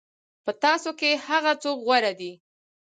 په تاسو کې هغه څوک غوره دی.